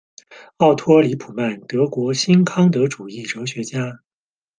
奥托·李卜曼，德国新康德主义哲学家。